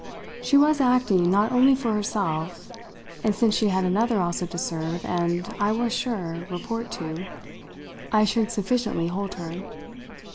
She was acting not only for herself, and since she had another also to serve and, as I was sure, report to, I should sufficiently hold her.